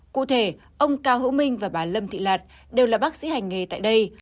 cụ thể ông cao hữu minh và bà lâm thị lạt đều là bác sĩ hành nghề tại đây